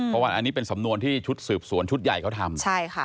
เพราะว่าอันนี้เป็นสำนวนที่ชุดสืบสวนชุดใหญ่เขาทำใช่ค่ะ